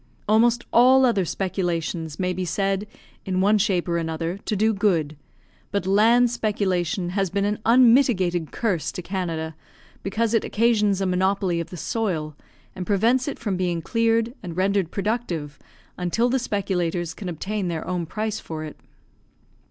Almost all other speculations may be said, in one shape or another, to do good; but land speculation has been an unmitigated curse to Canada, because it occasions a monopoly of the soil, and prevents it from being cleared and rendered productive, until the speculators can obtain their own price for it.